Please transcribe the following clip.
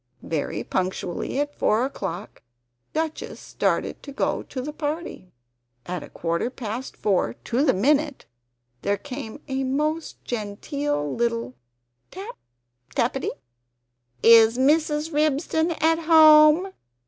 Very punctually at four o'clock, Duchess started to go to the party. At a quarter past four to the minute, there came a most genteel little tap tappity. "Is Mrs. Ribston at home?"